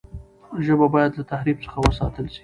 ژبه باید له تحریف څخه وساتل سي.